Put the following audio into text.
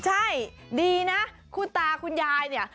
ใช่ดีนะคุณตาคุณยายเนี่ย